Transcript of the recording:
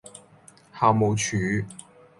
校務處